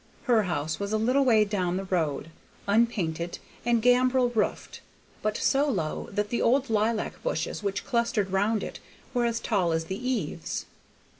Her house was a little way down the road, unpainted and gambrel roofed, but so low that the old lilac bushes which clustered round it were as tall as the eaves.